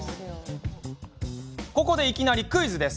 ここで、いきなりクイズです！